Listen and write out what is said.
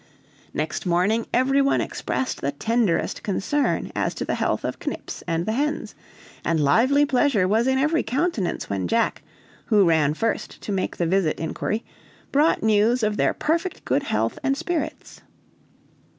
Next morning every one expressed the tenderest concern as to the health of Knips and the hens; and lively pleasure was in every countenance when Jack, who ran first to make the visit inquiry, brought news of their perfect good health and spirits.